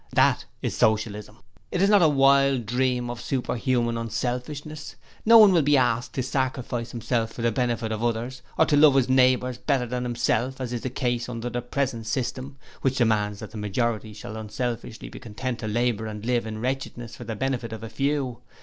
That is Socialism! 'It is not a wild dream of Superhuman Unselfishness. No one will be asked to sacrifice himself for the benefit of others or to love his neighbours better than himself as is the case under the present system, which demands that the majority shall unselfishly be content to labour and live in wretchedness for the benefit of a few.